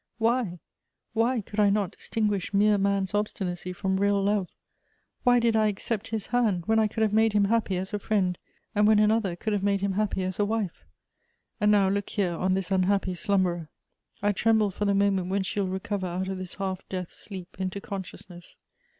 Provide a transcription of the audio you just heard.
Why, why, could I not distinguish mere man's obstinacy from real love ? Why did I accept his hand, when I could have made him happy as a friend, and when another could have made him happy as a wife? And now, look here on this un happy slumberer. I tremble for the moment when she will recover out of this half death sleep into conscious ness.